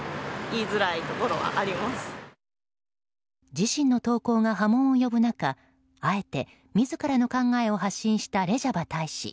自身の投稿が波紋を呼ぶ中あえて自らの考えを発信したレジャバ大使。